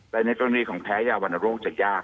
แต่ในกรณีของแพ้ยาวรรณโรคจะยาก